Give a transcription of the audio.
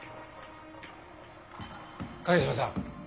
影島さん